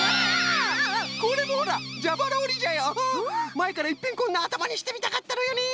まえからいっぺんこんなあたまにしてみたかったのよね。